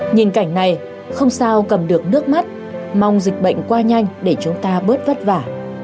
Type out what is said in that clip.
nhìn cảnh này không sao cầm được nước mắt mong dịch bệnh qua nhanh để chúng ta bớt vất vả